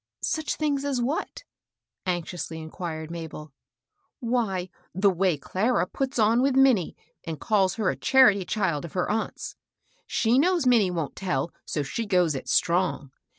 "Such things as what?" anxiously inquired Mabel. " Why, the way Clara puts on with Minnie, and calls her a * charity child ' of her aunt's. She knows Minnie wont tell, so she goes it strong.